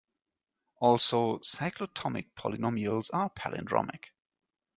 Also, cyclotomic polynomials are palindromic.